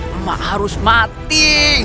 emak harus mati